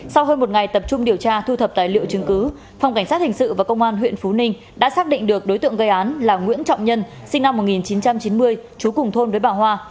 sau hơn một ngày tập trung điều tra thu thập tài liệu chứng cứ phòng cảnh sát hình sự và công an huyện phú ninh đã xác định được đối tượng gây án là nguyễn trọng nhân sinh năm một nghìn chín trăm chín mươi chú cùng thôn với bà hoa